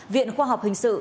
viện khoa học hình sự